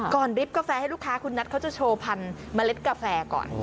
ริบกาแฟให้ลูกค้าคุณนัทเขาจะโชว์พันธุ์เมล็ดกาแฟก่อน